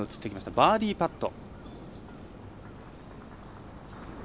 バーディーパット。